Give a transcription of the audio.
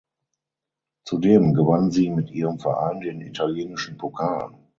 Zudem gewann sie mit ihrem Verein den italienischen Pokal.